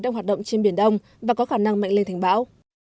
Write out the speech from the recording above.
đang hoạt động trên biển đông và có khả năng mạnh lên thành bão